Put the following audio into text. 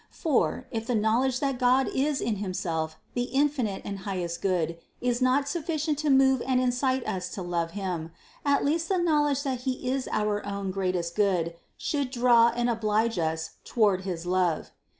For, if the knowl edge that God is in Himself the infinite and highest good is not sufficient to move and incite us to love Him, at least the knowledge that He is our own greatest good, should draw and oblige us toward his love.